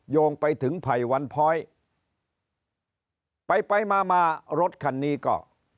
โยงไปถึงไผ่วันพ้อยไปไปมามารถคันนี้ก็